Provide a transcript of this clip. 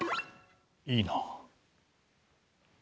いいなあ。